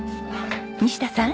西田さん。